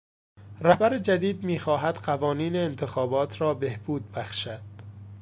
رهبر جدید میخواهد قوانین انتخابات را بهبود بخشد.